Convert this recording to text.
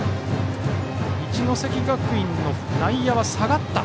一関学院の内野は下がった。